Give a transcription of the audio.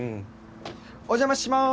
お邪魔しまーす！